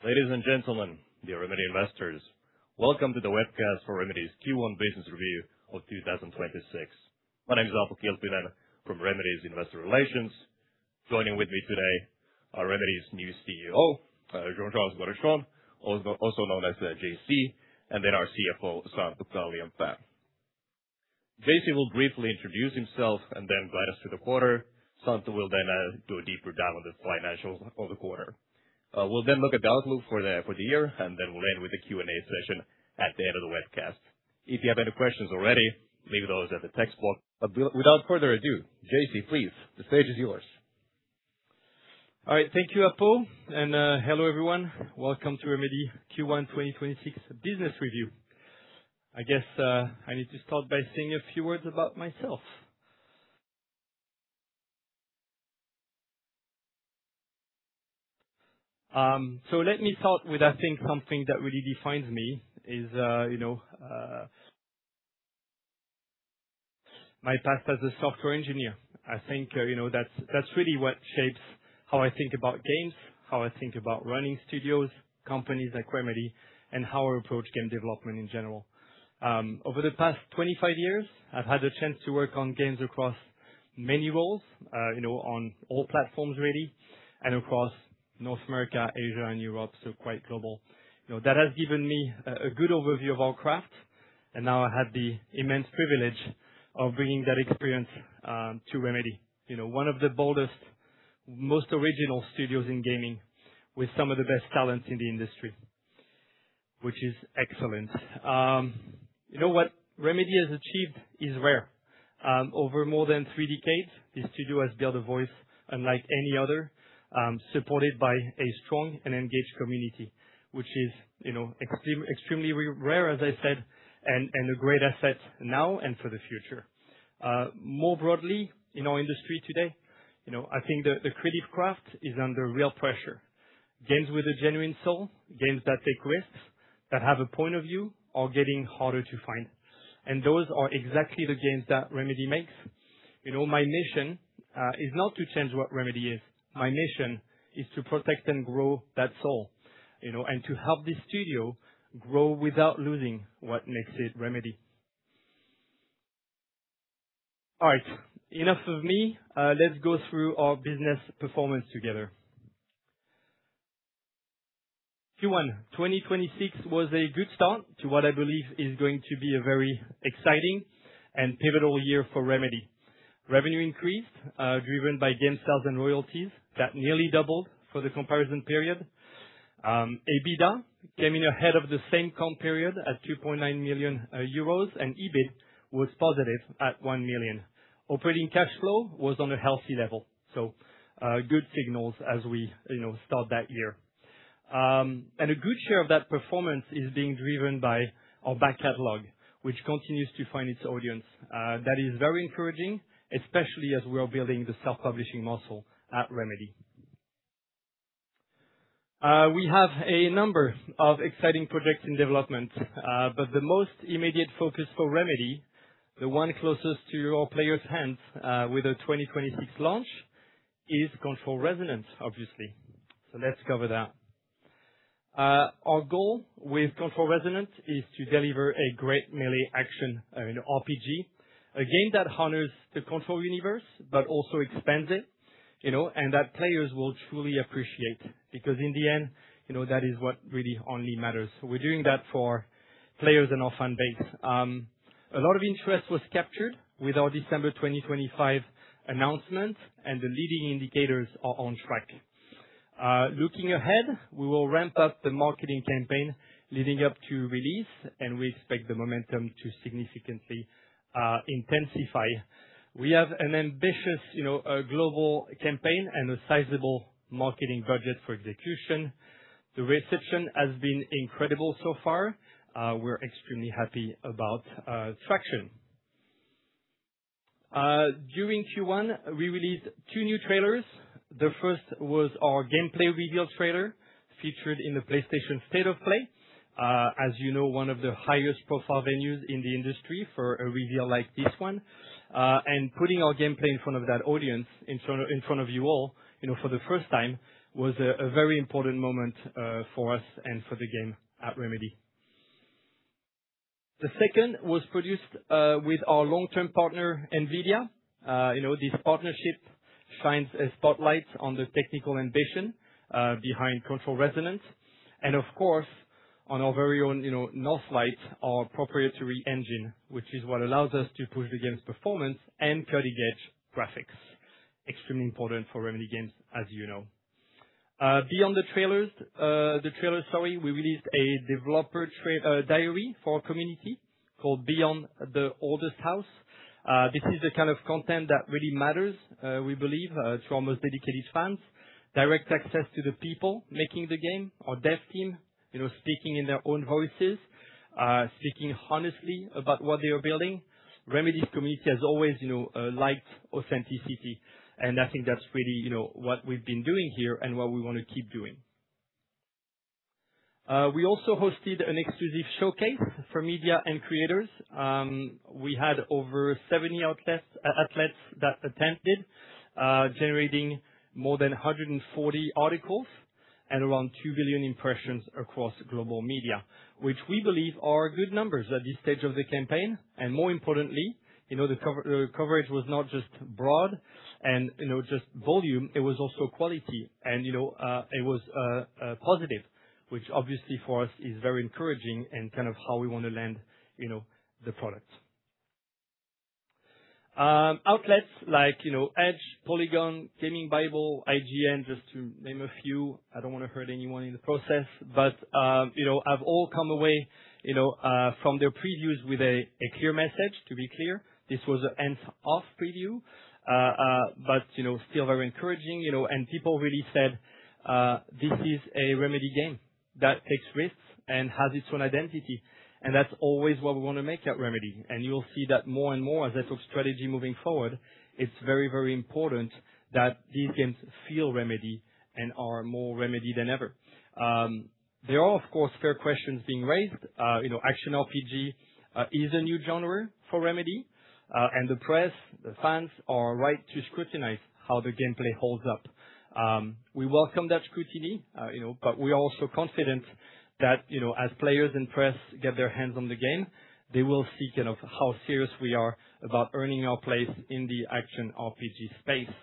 Ladies and gentlemen, dear Remedy investors, welcome to the webcast for Remedy's Q1 business review of 2026. My name is Aapo Kilpinen from Remedy's Investor Relations. Joining with me today are Remedy's new CEO, Jean-Charles Gaudechon, also known as JC, and then our CFO, Santtu Kallionpää. JC will briefly introduce himself and then guide us through the quarter. Santtu will then do a deeper dive on the financials for the quarter. We'll then look at the outlook for the year, and then we'll end with the Q&A session at the end of the webcast. If you have any questions already, leave those at the text bar. Without further ado, JC, please, the stage is yours. All right. Thank you, Aapo. Hello, everyone. Welcome to Remedy Q1 2026 business review. I guess, I need to start by saying a few words about myself. So let me start with, I think, something that really defines me is, you know, my past as a software engineer. I think, you know, that's really what shapes how I think about games, how I think about running studios, companies like Remedy, and how I approach game development in general. Over the past 25 years, I've had the chance to work on games across many roles, you know, on all platforms really, and across North America, Asia, and Europe, so quite global. You know, that has given me a good overview of our craft, and now I have the immense privilege of bringing that experience to Remedy. You know, one of the boldest, most original studios in gaming with some of the best talents in the industry, which is excellent. You know what? Remedy has achieved is rare. Over more than three decades, the studio has built a voice unlike any other, supported by a strong and engaged community, which is, you know, extremely rare, as I said, and a great asset now and for the future. More broadly, in our industry today, you know, I think the creative craft is under real pressure. Games with a genuine soul, games that take risks, that have a point of view are getting harder to find. Those are exactly the games that Remedy makes. You know, my mission is not to change what Remedy is. My mission is to protect and grow that soul, you know, and to help this studio grow without losing what makes it Remedy. All right. Enough of me. Let's go through our business performance together. Q1 2026 was a good start to what I believe is going to be a very exciting and pivotal year for Remedy. Revenue increased, driven by game sales and royalties that nearly doubled for the comparison period. EBITDA came in ahead of the same comp period at 2.9 million euros, and EBIT was positive at 1 million. Operating cash flow was on a healthy level. Good signals as we, you know, start that year. A good share of that performance is being driven by our back catalog, which continues to find its audience. That is very encouraging, especially as we are building the self-publishing muscle at Remedy. We have a number of exciting projects in development, but the most immediate focus for Remedy, the one closest to your players' hands, with a 2026 launch is CONTROL Resonant, obviously. Let's cover that. Our goal with CONTROL Resonant is to deliver a great melee action, you know, RPG, a game that honors the Control universe but also expands it, you know, and that players will truly appreciate because in the end, you know, that is what really only matters. We're doing that for players and our fan base. A lot of interest was captured with our December 2025 announcement, and the leading indicators are on track. Looking ahead, we will ramp up the marketing campaign leading up to release, and we expect the momentum to significantly intensify. We have an ambitious, you know, global campaign and a sizable marketing budget fro execution. The reception has been incredible so far. We're extremely happy about traction. During Q1, we released two new trailers. The first was our gameplay reveal trailer featured in the PlayStation State of Play. As you know, one of the highest profile venues in the industry for a reveal like this one. Putting our gameplay in front of that audience, in front of you all, you know, for the first time, was a very important moment for us and for the game at Remedy. The second was produced with our long-term partner, NVIDIA. You know, this partnership shines a spotlight on the technical ambition behind CONTROL Resonant. Of course, on our very own, you know, Northlight, our proprietary engine, which is what allows us to push the game's performance and cutting-edge graphics. Extremely important for Remedy games, as you know. Beyond the trailers, we released a developer diary for our community called Beyond the Oldest House. This is the kind of content that really matters, we believe, to our most dedicated fans. Direct access to the people making the game, our dev team, you know, speaking in their own voices, speaking honestly about what they are building. Remedy's community has always, you know, liked authenticity, and I think that's really, you know, what we've been doing here and what we wanna keep doing. We also hosted an exclusive showcase for media and creators. We had over 70 outlets that attended, generating more than 140 articles and around 2 billion impressions across global media. Which we believe are good numbers at this stage of the campaign, and more importantly, you know, the coverage was not just broad and, you know, just volume, it was also quality. You know, it was positive, which obviously for us is very encouraging and kind of how we wanna land, you know, the product. Outlets like, you know, Edge, Polygon, GAMINGbible, IGN, just to name a few. I don't wanna hurt anyone in the process. you know, have all come away, you know, from their previews with a clear message, to be clear. This was a hands-off preview. you know, still very encouraging, you know. People really said, this is a Remedy game that takes risks and has its own identity. That's always what we wanna make at Remedy. You'll see that more and more as that's our strategy moving forward. It's very, very important that these games feel Remedy and are more Remedy than ever. There are, of course, fair questions being raised. you know, action RPG is a new genre for Remedy. The press, the fans are right to scrutinize how the gameplay holds up. We welcome that scrutiny, you know, we are also confident that, you know, as players and press get their hands on the game, they will see kind of how serious we are about earning our place in the action RPG space.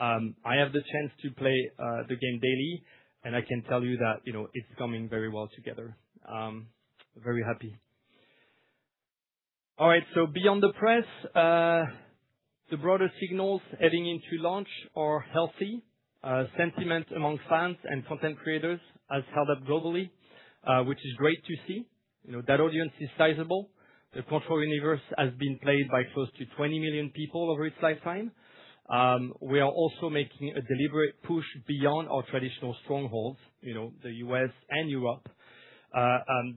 I have the chance to play the game daily, and I can tell you that, you know, it's coming very well together. Very happy. All right. Beyond the press, the broader signals heading into launch are healthy. Sentiment among fans and content creators has held up globally, which is great to see. You know, that audience is sizable. The Control universe has been played by close to 20 million people over its lifetime. We are also making a deliberate push beyond our traditional strongholds, you know, the U.S. and Europe.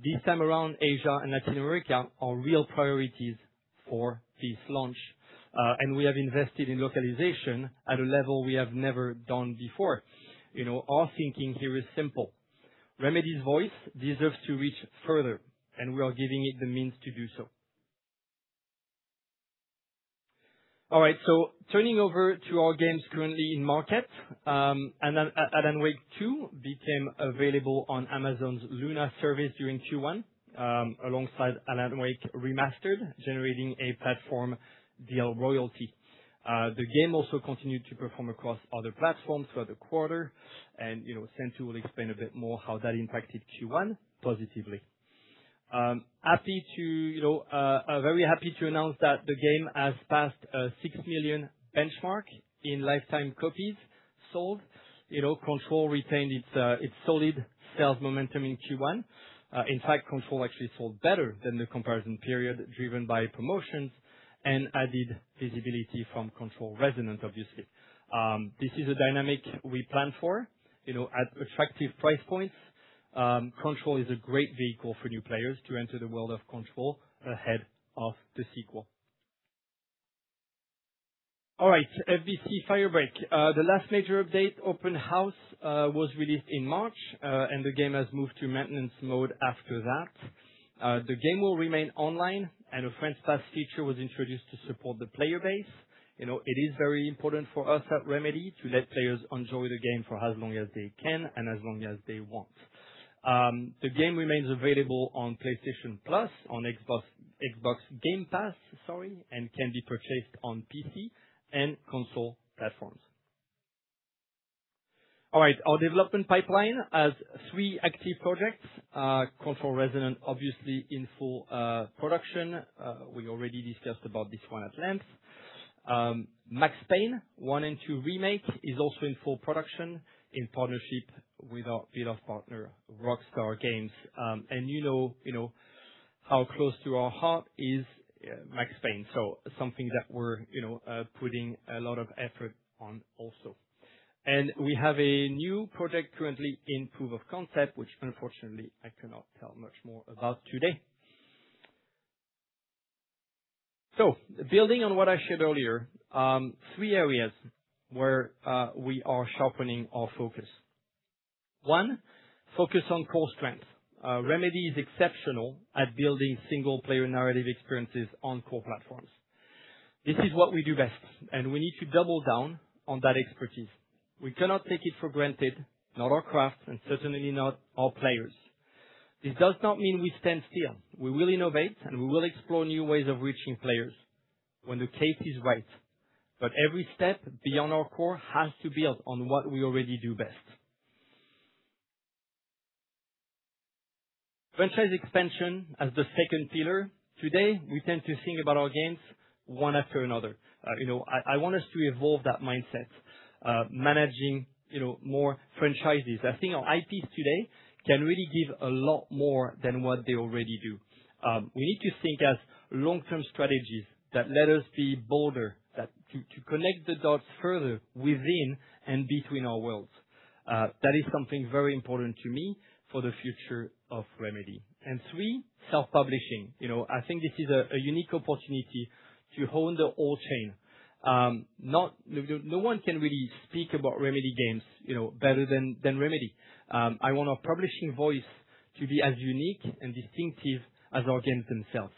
This time around Asia and Latin America are real priorities for this launch. We have invested in localization at a level we have never done before. You know, our thinking here is simple. Remedy's voice deserves to reach further, and we are giving it the means to do so. All right. Turning over to our games currently in market. Alan Wake 2 became available on Amazon's Luna service during Q1 alongside Alan Wake Remastered, generating a platform deal royalty. The game also continued to perform across other platforms for the quarter and, you know, Santtu will explain a bit more how that impacted Q1 positively. Happy to, you know, very happy to announce that the game has passed a 6 million benchmark in lifetime copies sold. You know, CONTROL retained its solid sales momentum in Q1. In fact, CONTROL actually sold better than the comparison period driven by promotions and added visibility from CONTROL Resonant, obviously. This is a dynamic we plan for, you know, at attractive price points. CONTROL is a great vehicle for new players to enter the world of CONTROL ahead of the sequel. All right. FBC: Firebreak. The last major update, Open House, was released in March, and the game has moved to maintenance mode after that. The game will remain online, and a Friend's Pass feature was introduced to support the player base. You know, it is very important for us at Remedy to let players enjoy the game for as long as they can and as long as they want. The game remains available on PlayStation Plus, on Xbox Game Pass, sorry, and can be purchased on PC and console platforms. All right. Our development pipeline has three active projects. CONTROL Resonant, obviously in full production. We already discussed about this one at length. Max Payne 1 & 2 Remake is also in full production in partnership with our beloved partner, Rockstar Games. You know how close to our heart is Max Payne, something that we're, you know, putting a lot of effort on also. We have a new project currently in proof of concept, which unfortunately I cannot tell much more about today. Building on what I shared earlier, three areas where we are sharpening our focus. One, focus on core strengths. Remedy is exceptional at building single-player narrative experiences on core platforms. This is what we do best, we need to double down on that expertise. We cannot take it for granted, not our craft and certainly not our players. This does not mean we stand still. We will innovate, and we will explore new ways of reaching players when the case is right. Every step beyond our core has to build on what we already do best. Franchise expansion as the second pillar. Today, we tend to think about our games one after another. You know, I want us to evolve that mindset, managing, you know, more franchises. I think our IPs today can really give a lot more than what they already do. We need to think as long-term strategies that let us be bolder, that to connect the dots further within and between our worlds. That is something very important to me for the future of Remedy. Three, self-publishing. You know, I think this is a unique opportunity to own the whole chain. No one can really speak about Remedy games, you know, better than Remedy. I want our publishing voice to be as unique and distinctive as our games themselves.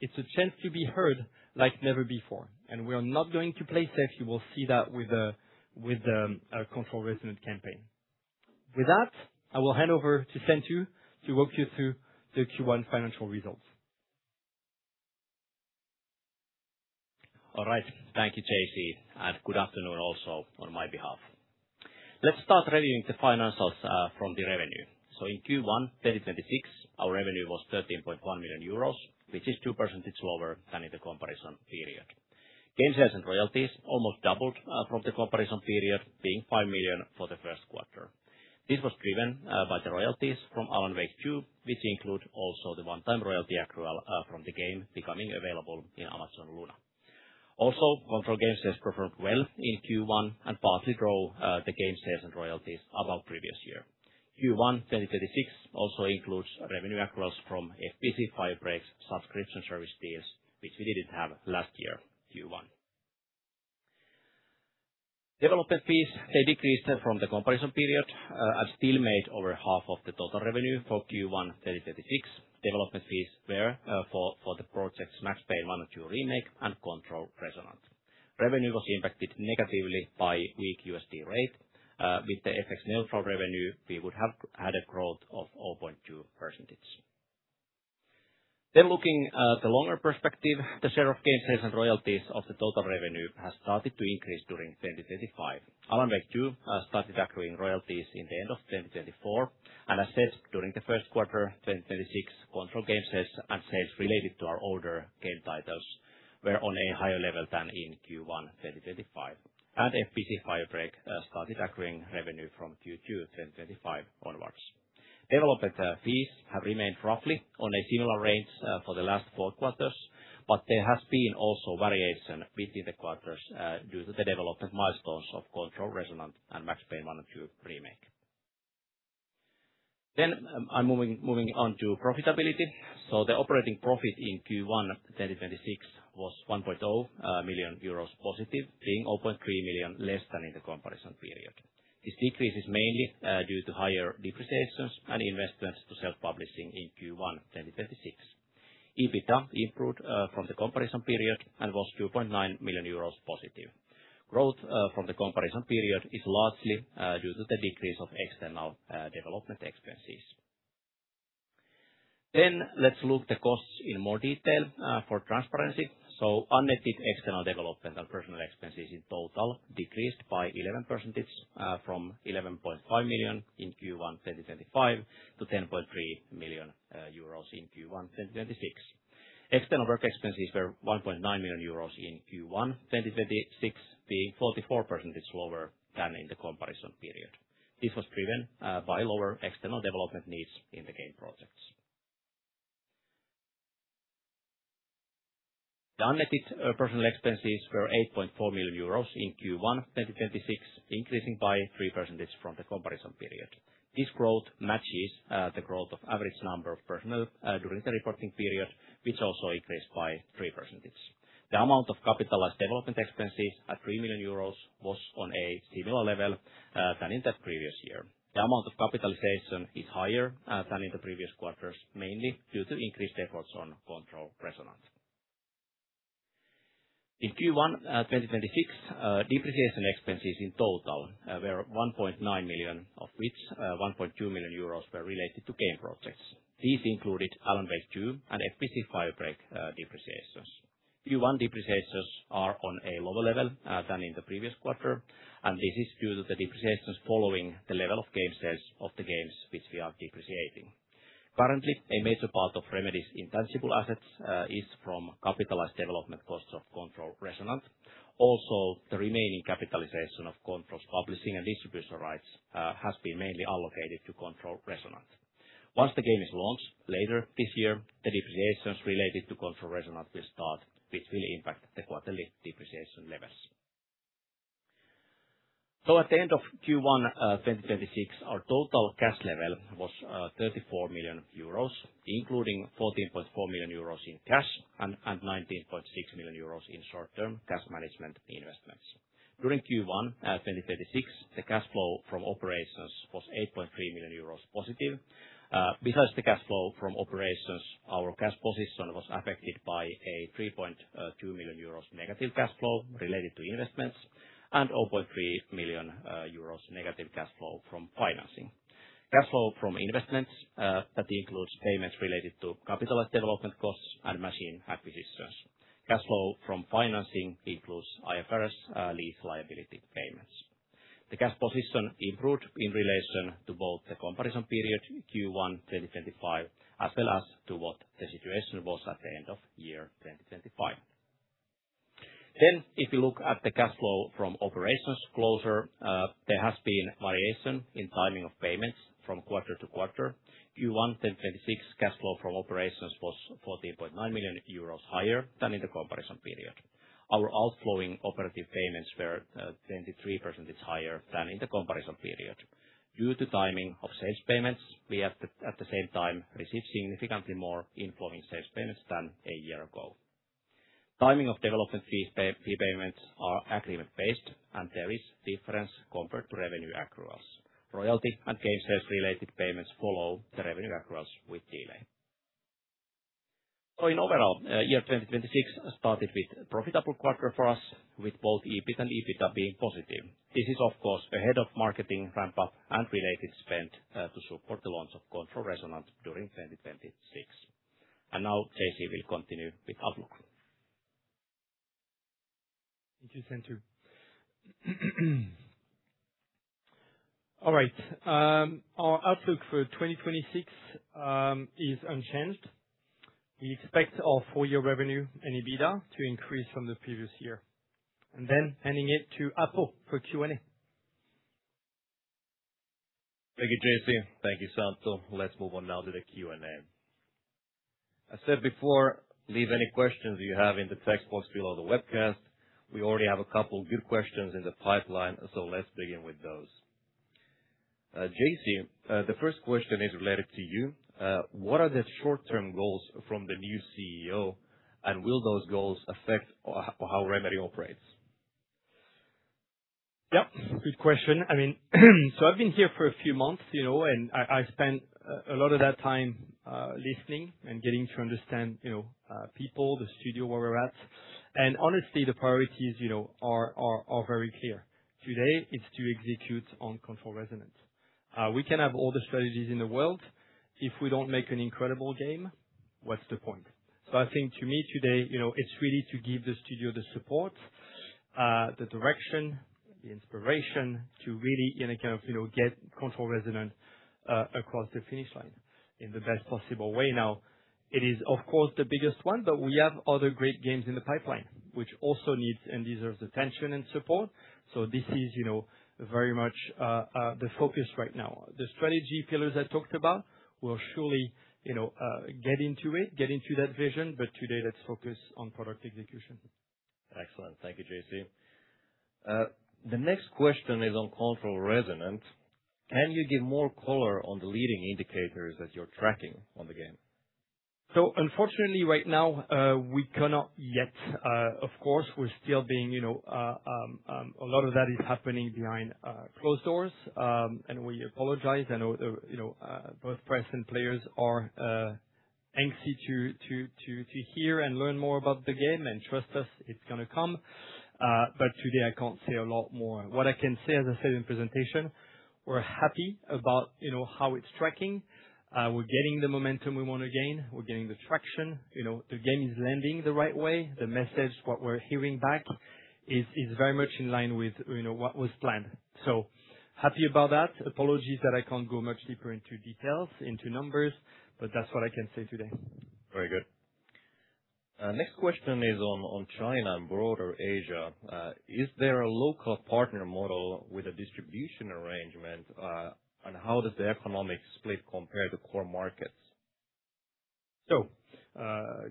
It's a chance to be heard like never before, and we are not going to play safe. You will see that with the CONTROL Resonant campaign. With that, I will hand over to Santtu to walk you through the Q1 financial results. All right. Thank you, JC, and good afternoon also on my behalf. Let's start reviewing the financials from the revenue. In Q1 2026, our revenue was 13.1 million euros, which is 2% lower than in the comparison period. Game sales and royalties almost doubled from the comparison period, being 5 million for the first quarter. This was driven by the royalties from Alan Wake 2, which include also the one-time royalty accrual from the game becoming available in Amazon Luna. Also, Control game sales performed well in Q1 and partly drove the game sales and royalties above previous year. Q1 2026 also includes revenue accruals from FBC: Firebreak subscription service fees, which we didn't have last year, Q1. Development fees, they decreased from the comparison period, and still made over 1/2 of the total revenue for Q1 2026. Development fees were for the projects Max Payne 1 & 2 Remake and CONTROL Resonant. Revenue was impacted negatively by weak USD rate. With the FX neutral revenue, we would have added growth of 0.2%. Looking at the longer perspective, the share of game sales and royalties of the total revenue has started to increase during 2025. Alan Wake 2 started accruing royalties in the end of 2024. As said, during Q1 2026, CONTROL game sales and sales related to our older game titles were on a higher level than in Q1 2025. FBC: Firebreak started accruing revenue from Q2 2025 onwards. Development fees have remained roughly on a similar range for the last four quarters, but there has been also variation between the quarters due to the development milestones of CONTROL Resonant and Max Payne 1 & 2 Remake. I'm moving on to profitability. The operating profit in Q1 2026 was 1.0 million euros positive, being 0.3 million less than in the comparison period. This decrease is mainly due to higher depreciations and investments to self-publishing in Q1 2026. EBITDA improved from the comparison period and was 2.9 million euros positive. Growth from the comparison period is largely due to the decrease of external development expenses. Let's look the costs in more detail for transparency. Unnetted external development and personal expenses in total decreased by 11% from 11.5 million in Q1 2025 to 10.3 million euros in Q1 2026. External work expenses were 1.9 million euros in Q1 2026, being 44% lower than in the comparison period. This was driven by lower external development needs in the game projects. The unnetted personal expenses were 8.4 million euros in Q1 2026, increasing by 3% from the comparison period. This growth matches the growth of average number of personnel during the reporting period, which also increased by 3%. The amount of capitalized development expenses at 3 million euros was on a similar level than in the previous year. The amount of capitalization is higher than in the previous quarters, mainly due to increased efforts on CONTROL Resonant. In Q1 2026, depreciation expenses in total were 1.9 million, of which 1.2 million euros were related to game projects. These included Alan Wake 2 and FBC: Firebreak depreciations. Q1 depreciations are on a lower level than in the previous quarter, this is due to the depreciations following the level of game sales of the games which we are depreciating. Currently, a major part of Remedy's intangible assets is from capitalized development costs of CONTROL Resonant. Also, the remaining capitalization of CONTROL's publishing and distribution rights has been mainly allocated to CONTROL Resonant. Once the game is launched later this year, the depreciations related to CONTROL Resonant will start, which will impact the quarterly depreciation levels. At the end of Q1 2026, our total cash level was 34 million euros, including 14.4 million euros in cash and 19.6 million euros in short-term cash management investments. During Q1 2026, the cash flow from operations was 8.3 million euros positive. Besides the cash flow from operations, our cash position was affected by a 3.2 million euros negative cash flow related to investments and 0.3 million euros negative cash flow from financing. Cash flow from investments, that includes payments related to capitalized development costs and machine acquisitions. Cash flow from financing includes IFRS lease liability payments. The cash position improved in relation to both the comparison period, Q1 2025, as well as to what the situation was at the end of year 2025. If you look at the cash flow from operations closer, there has been variation in timing of payments from quarter to quarter. Q1 2026 cash flow from operations was 14.9 million euros higher than in the comparison period. Our outflowing operative payments were 23% higher than in the comparison period. Due to timing of sales payments, we have to, at the same time, receive significantly more inflow in sales payments than a year ago. Timing of development fee payments are agreement-based, and there is difference compared to revenue accruals. Royalty and game sales related payments follow the revenue accruals with delay. In overall, year 2026 started with profitable quarter for us, with both EBIT and EBITDA being positive. This is, of course, ahead of marketing ramp up and related spend, to support the launch of CONTROL Resonant during 2026. Now, JC will continue with outlook. Thank you, Santtu. All right. Our outlook for 2026 is unchanged. We expect our full year revenue and EBITDA to increase from the previous year. Handing it to Aapo for Q&A. Thank you, JC. Thank you, Santtu. Let's move on now to the Q&A. I said before, leave any questions you have in the text box below the webcast. We already have a couple good questions in the pipeline, so let's begin with those. JC, the first question is related to you. What are the short-term goals from the new CEO, and will those goals affect how Remedy operates? Yep, good question. I mean, I've been here for a few months, you know, and I spent a lot of that time listening and getting to understand, you know, people, the studio where we're at. Honestly, the priorities, you know, are very clear. Today it's to execute on CONTROL Resonant. We can have all the strategies in the world, if we don't make an incredible game, what's the point? I think to me today, you know, it's really to give the studio the support, the direction, the inspiration to really in a kind of, you know, get CONTROL Resonant across the finish line in the best possible way. Now, it is, of course, the biggest one, but we have other great games in the pipeline, which also needs and deserves attention and support. This is, you know, very much the focus right now. The strategy pillars I talked about will surely, you know, get into it, get into that vision, but today let's focus on product execution. Excellent. Thank you, JC. The next question is on CONTROL Resonant. Can you give more color on the leading indicators that you're tracking on the game? Unfortunately, right now, we cannot yet. Of course, we're still being, you know, A lot of that is happening behind closed doors. We apologize. I know, you know, both press and players are antsy to hear and learn more about the game. Trust us, it's gonna come. Today I can't say a lot more. What I can say, as I said in presentation, we're happy about, you know, how it's tracking. We're gaining the momentum we wanna gain. We're gaining the traction. You know, the game is landing the right way. The message, what we're hearing back is very much in line with, you know, what was planned. Happy about that. Apologies that I can't go much deeper into details, into numbers. That's what I can say today. Very good. Next question is on China and broader Asia. Is there a local partner model with a distribution arrangement? How does the economics split compare to core markets?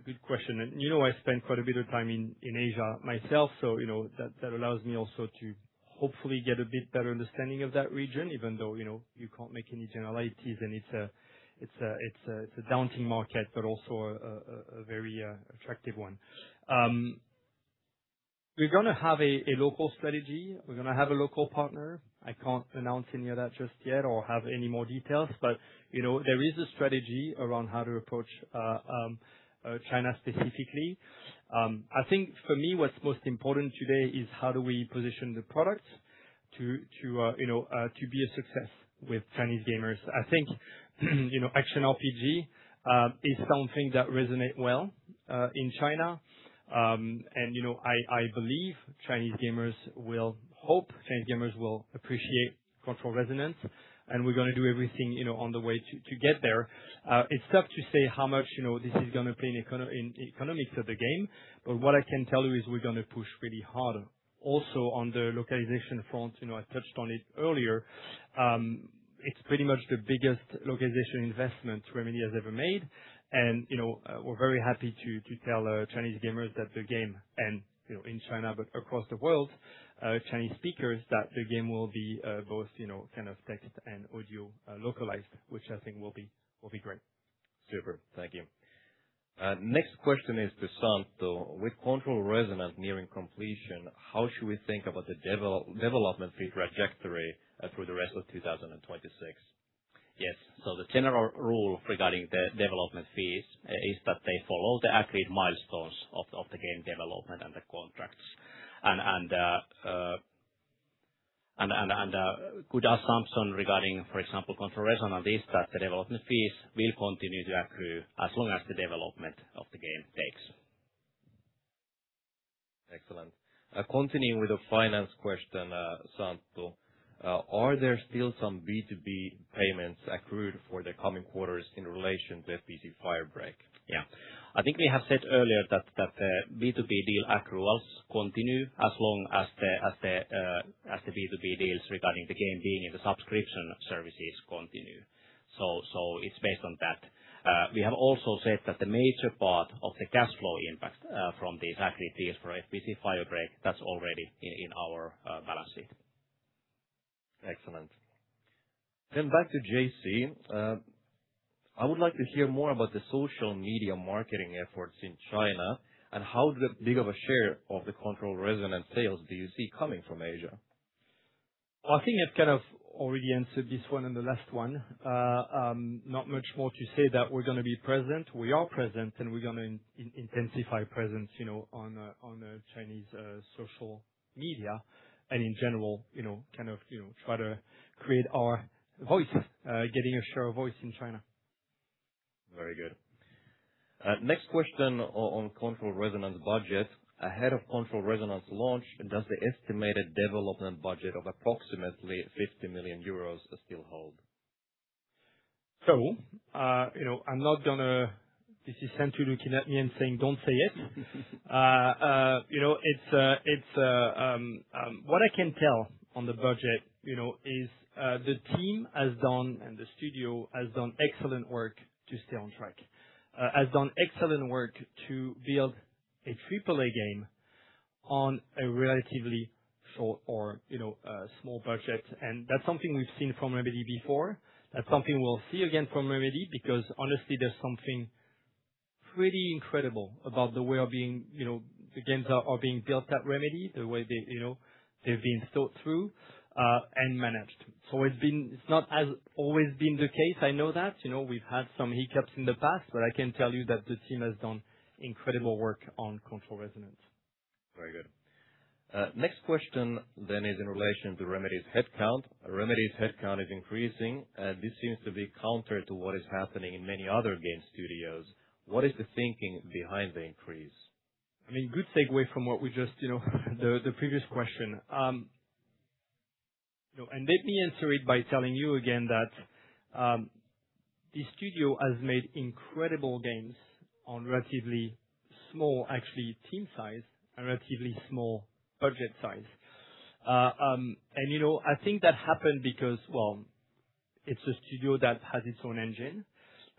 Good question. You know, I spent quite a bit of time in Asia myself, so, you know, that allows me also to hopefully get a bit better understanding of that region, even though, you know, you can't make any generalities, and it's a daunting market, but also a very attractive one. We're gonna have a local strategy. We're gonna have a local partner. I can't announce any of that just yet or have any more details. You know, there is a strategy around how to approach China specifically. I think for me, what's most important today is how do we position the product to, you know, to be a success with Chinese gamers. I think, you know, action RPG, is something that resonate well in China. You know, I believe Chinese gamers will appreciate CONTROL Resonant, and we're gonna do everything, you know, on the way to get there. It's tough to say how much, you know, this is gonna play in economics of the game, but what I can tell you is we're gonna push really hard. Also, on the localization front, you know, I touched on it earlier. It's pretty much the biggest localization investment Remedy has ever made. You know, we're very happy to tell Chinese gamers that the game and, you know, in China, but across the world, Chinese speakers, that the game will be, both, you know, kind of text and audio, localized, which I think will be great. Super. Thank you. Next question is to Santtu. With CONTROL Resonant nearing completion, how should we think about the development fee trajectory through the rest of 2026? Yes. The general rule regarding the development fees is that they follow the agreed milestones of the game development and the contracts. And a good assumption regarding, for example, CONTROL Resonant is that the development fees will continue to accrue as long as the development of the game takes. Excellent. Continuing with the finance question, Santtu, are there still some B2B payments accrued for the coming quarters in relation to FBC: Firebreak? Yeah. I think we have said earlier that the B2B deal accruals continue as long as the B2B deals regarding the game being in the subscription services continue. It's based on that. We have also said that the major part of the cash flow impact from these activities for FBC: Firebreak, that's already in our balance sheet. Excellent. Back to JC. I would like to hear more about the social media marketing efforts in China and how big of a share of the CONTROL Resonant sales do you see coming from Asia? I think I've kind of already answered this one in the last one. Not much more to say that we're gonna be present. We are present, and we're gonna intensify presence, you know, on a Chinese social media and in general, you know, kind of, you know, try to create our voice, getting a share of voice in China. Very good. Next question on CONTROL Resonant budget. Ahead of CONTROL Resonant launch, does the estimated development budget of approximately 50 million euros still hold? You know, this is Santtu looking at me and saying, "Don't say it." You know, it's what I can tell on the budget, you know, is the team has done and the studio has done excellent work to stay on track. Has done excellent work to build a triple-A game on a relatively short or, you know, small budget. That's something we've seen from Remedy before. That's something we'll see again from Remedy because honestly, there's something pretty incredible about the way of being, you know, the games are being built at Remedy, the way they, you know, they're being thought through and managed. It's not as always been the case, I know that. You know, we've had some hiccups in the past, but I can tell you that the team has done incredible work on CONTROL Resonant. Very good. Next question is in relation to Remedy's headcount. Remedy's headcount is increasing. This seems to be counter to what is happening in many other game studios. What is the thinking behind the increase? I mean, good segue from what we just, you know, the previous question. You know, let me answer it by telling you again that the studio has made incredible games on relatively small actually team size and relatively small budget size. You know, I think that happened because, well, it's a studio that has its own engine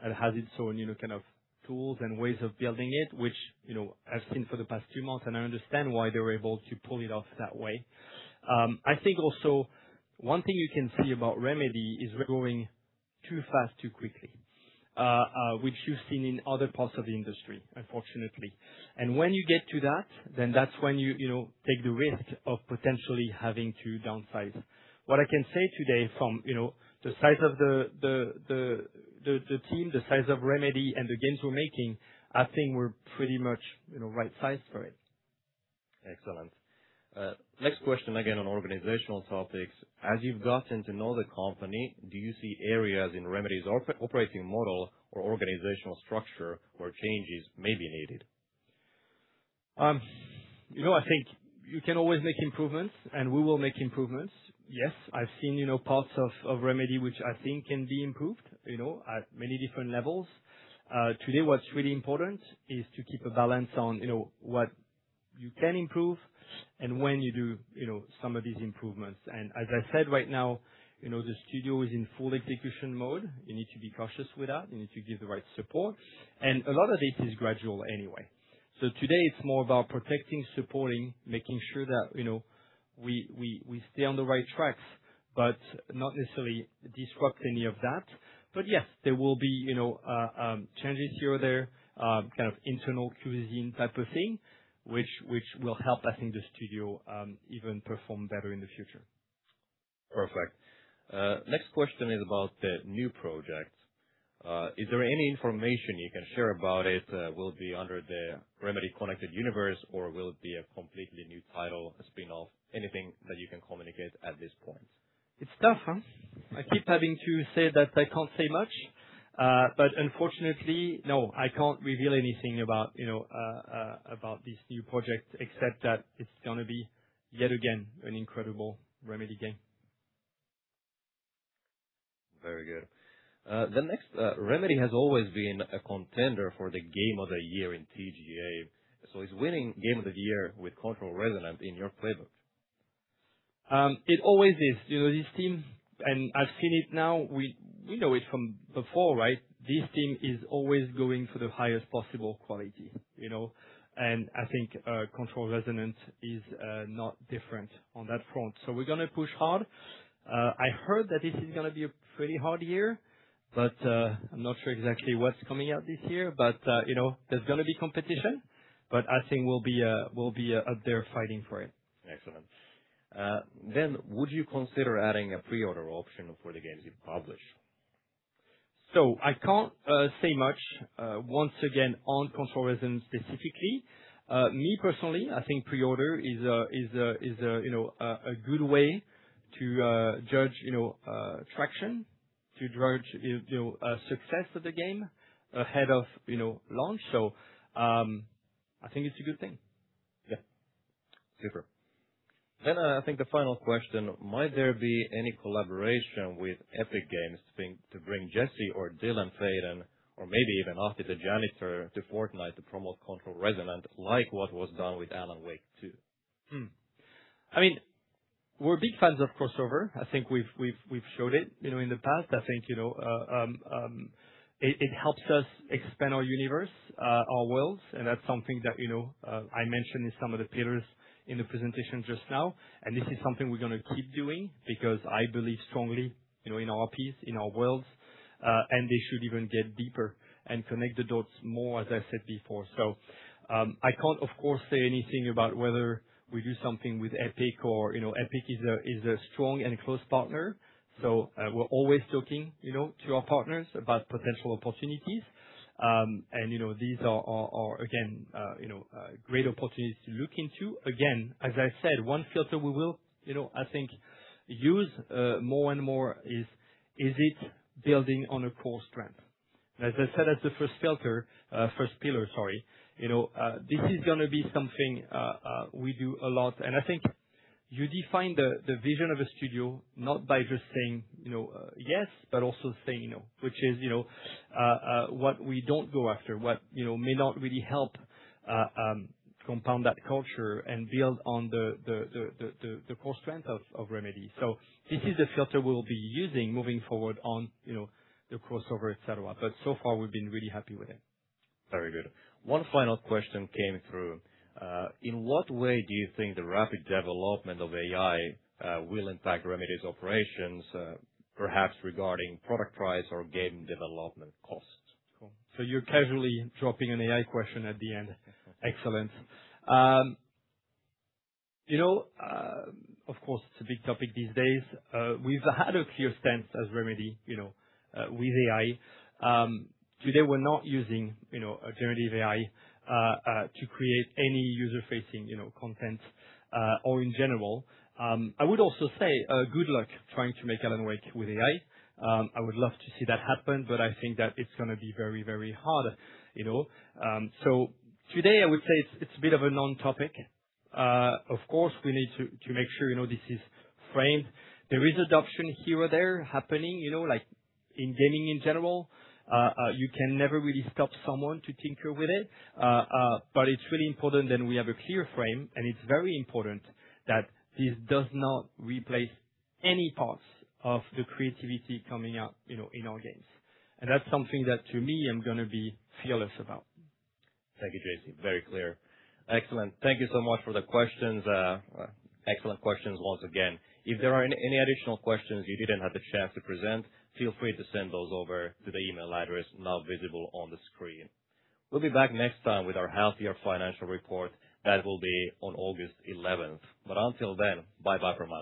and has its own, you know, kind of tools and ways of building it, which, you know, I've seen for the past two months, and I understand why they were able to pull it off that way. I think also one thing you can see about Remedy is we're growing too fast too quickly, which you've seen in other parts of the industry, unfortunately. When you get to that, then that's when you know, take the risk of potentially having to downsize. What I can say today from, you know, the size of the team, the size of Remedy and the games we're making, I think we're pretty much, you know, right sized for it. Excellent. Next question again on organizational topics. As you've gotten to know the company, do you see areas in Remedy's operating model or organizational structure where changes may be needed? You know, I think you can always make improvements, and we will make improvements. Yes, I've seen, you know, parts of Remedy which I think can be improved, you know, at many different levels. Today, what's really important is to keep a balance on, you know, what you can improve and when you do, you know, some of these improvements. As I said, right now, you know, the studio is in full execution mode. You need to be cautious with that. You need to give the right support. A lot of it is gradual anyway. Today it's more about protecting, supporting, making sure that, you know, we stay on the right tracks, but not necessarily disrupt any of that. Yes, there will be, you know, changes here or there, kind of internal cuisine type of thing which will help, I think, the studio, even perform better in the future. Perfect. Next question is about the new project. Is there any information you can share about it? Will be under the Remedy Connected Universe or will it be a completely new title, a spin-off? Anything that you can communicate at this point. It's tough, huh? I keep having to say that I can't say much. Unfortunately, no, I can't reveal anything about, you know, about this new project, except that it's gonna be, yet again, an incredible Remedy game. Very good. Remedy has always been a contender for the Game of the Year in TGA. Is winning Game of the Year with CONTROL Resonant in your playbook? It always is. You know, this team, and I've seen it now, we know it from before, right? This team is always going for the highest possible quality, you know. I think CONTROL Resonant is not different on that front. We're gonna push hard. I heard that this is gonna be a pretty hard year, but I'm not sure exactly what's coming out this year. You know, there's gonna be competition, but I think we'll be, we'll be out there fighting for it. Excellent. Would you consider adding a pre-order option for the games you publish? I can't say much, once again, on CONTROL Resonant specifically. Me personally, I think pre-order is a, you know, a good way to judge, you know, traction, to judge, you know, success of the game ahead of, you know, launch. I think it's a good thing. Yeah. Super. I think the final question, might there be any collaboration with Epic Games to bring Jesse or Dylan Faden or maybe even Officer Janitor to Fortnite to promote CONTROL Resonant like what was done with Alan Wake 2? I mean, we're big fans of Crossover. I think we've showed it, you know, in the past. I think, you know, it helps us expand our universe, our worlds, and that's something that, you know, I mentioned in some of the pillars in the presentation just now. This is something we're gonna keep doing because I believe strongly, you know, in our piece, in our worlds, and they should even get deeper and connect the dots more, as I said before. I can't, of course, say anything about whether we do something with Epic or, you know, Epic is a strong and close partner. We're always talking, you know, to our partners about potential opportunities. You know, these are again, you know, great opportunities to look into. Again, as I said, one filter we will, you know, I think use more and more is it building on a core strength? As I said, that's the first filter, first pillar, sorry. You know, this is gonna be something we do a lot. I think you define the vision of a studio not by just saying, you know, yes, but also saying no, which is, you know, what we don't go after, what, you know, may not really help compound that culture and build on the core strength of Remedy. This is a filter we'll be using moving forward on, you know, the crossover, et cetera. So far, we've been really happy with it. Very good. One final question came through. In what way do you think the rapid development of AI will impact Remedy's operations, perhaps regarding product price or game development costs? You're casually dropping an AI question at the end. Excellent. You know, of course, it's a big topic these days. We've had a clear stance as Remedy, you know, with AI. Today we're not using, you know, a generative AI to create any user-facing, you know, content, or in general. I would also say, good luck trying to make Alan Wake 2 with AI. I would love to see that happen, but I think that it's gonna be very, very hard, you know? Today I would say it's a bit of a non-topic. Of course, we need to make sure, you know, this is framed. There is adoption here or there happening, you know, like in gaming in general. You can never really stop someone to tinker with it. It's really important that we have a clear frame, and it's very important that this does not replace any parts of the creativity coming out, you know, in our games. That's something that to me I'm gonna be fearless about. Thank you, JC. Very clear. Excellent. Thank you so much for the questions. Excellent questions once again. If there are any additional questions you didn't have the chance to present, feel free to send those over to the email address now visible on the screen. We'll be back next time with our half year financial report. That will be on August 11th. Until then, bye-bye for now.